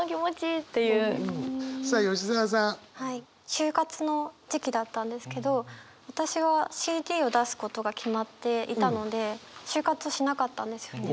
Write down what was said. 就活の時期だったんですけど私はＣＤを出すことが決まっていたので就活しなかったんですよね。